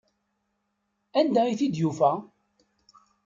Anda ay t-id-yufa?